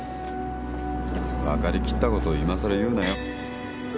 分かりきったことを今更言うなよ。